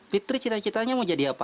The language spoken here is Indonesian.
fitri cita citanya mau jadi apa